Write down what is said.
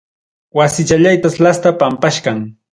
Wasichallaytas lasta pampachkan.